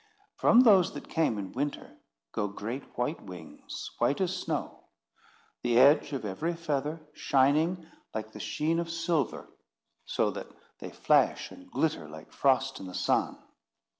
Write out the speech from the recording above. From those that came in winter, go great white wings, white as snow; the edge of every feather shining like the sheen of silver, so that they flash and glitter like frost in the sun.